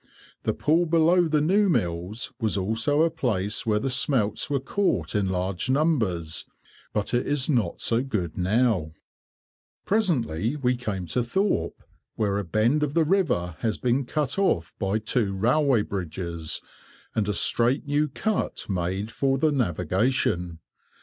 The pool below the New Mills was also a place where the smelts were caught in large numbers, but it is not so good now." [Picture: Thorpe Gardens] Presently we came to Thorpe, where a bend of the river has been cut off by two railway bridges, and a straight new cut made for the navigation.